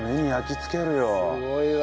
すごいわ。